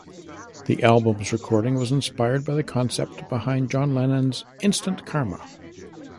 The album's recording was inspired by the concept behind John Lennon's Instant Karma!